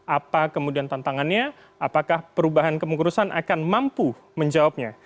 apa kemudian tantangannya apakah perubahan kemugurusan akan mampu menjawabnya